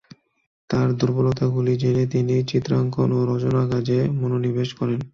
তাঁর দুর্বলতাগুলি জেনে তিনি চিত্রাঙ্কন ও রচনা কাজে মনোনিবেশ করেন।